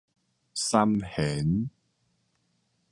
三弦